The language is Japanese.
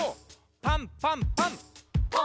パンパンパン！